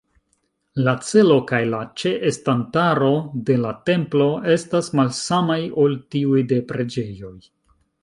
La celo kaj la ĉe-estantaro de la templo estas malsamaj ol tiuj de preĝejoj.